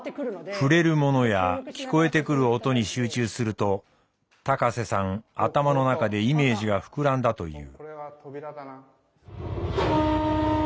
触れるものや聞こえてくる音に集中すると高瀬さん頭の中でイメージが膨らんだという。